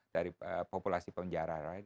dari populasi penjara